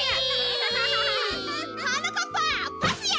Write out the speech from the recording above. はなかっぱパスや！